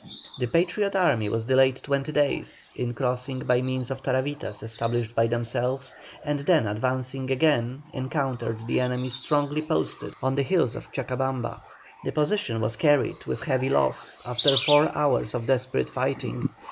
The Patriot army was delayed twenty days in crossing by means of taravitas established by themselves, and then advancing again encountered the enemy strongly posted on the hills of Chacabamba. The position was carried, with heavy loss, after four hours of desperate fighting.